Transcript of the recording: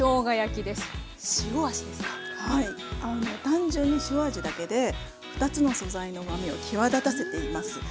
単純に塩味だけで２つの素材のうまみを際立たせています。